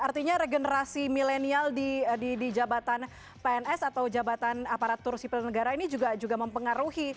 artinya regenerasi milenial di jabatan pns atau jabatan aparatur sipil negara ini juga mempengaruhi